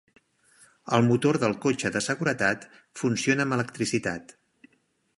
El motor del cotxe de seguretat funciona amb electricitat.